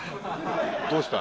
どうした？